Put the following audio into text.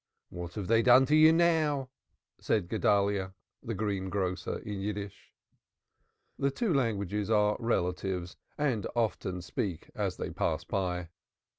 "What have they done to you now?" said Guedalyah, the greengrocer, in Yiddish. The two languages are relatives and often speak as they pass by.